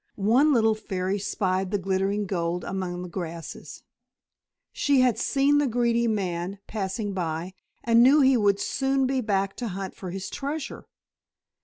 One little fairy spied the glittering gold among the grasses. She had seen the greedy man passing by, and knew he would soon be back to hunt for his treasure.